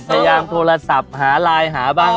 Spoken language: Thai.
พยายามโทรศัพท์หาไลน์หาบ้าง